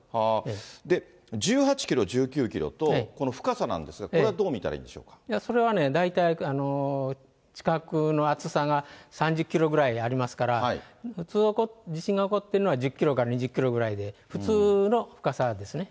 で、１８キロ、１９キロと、この深さなんですが、それはね、大体、地殻の厚さが３０キロぐらいありますから、普通地震が起こっているのは、１０キロから２０キロくらいで、普通の深さですね。